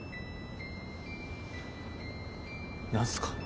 何すか？